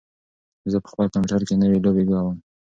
زه په خپل کمپیوټر کې نوې لوبې کوم.